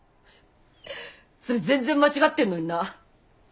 それ全然間違ってるのにな。